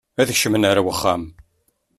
Ad kecmen ar wexxam.